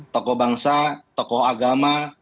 tokoh bangsa tokoh agama